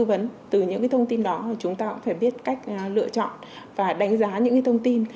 tư vấn từ những cái thông tin đó chúng ta cũng phải biết cách lựa chọn và đánh giá những cái thông tin